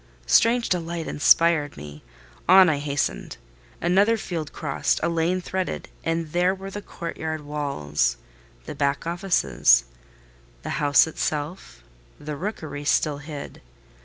Strange delight inspired me: on I hastened. Another field crossed—a lane threaded—and there were the courtyard walls—the back offices: the house itself, the rookery still hid.